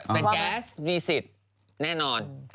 เป็นแก๊สมีสิทธิ์แน่นอน